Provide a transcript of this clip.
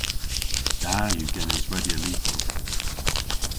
Da yw genes redya lyvrow.